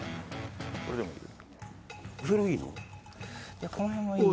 これでもいいよ。